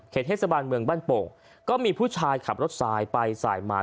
เทศบาลเมืองบ้านโป่งก็มีผู้ชายขับรถสายไปสายมา